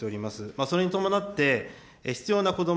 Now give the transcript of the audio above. それに伴って、必要なこども・